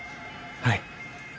はい。